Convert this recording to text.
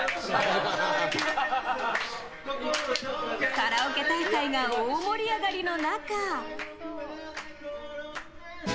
カラオケ大会が大盛り上がりの中。